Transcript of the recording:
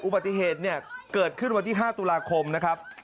อุบัติเหตุเนี่ยเกิดขึ้นวันที่๕ตุลาคมนะครับ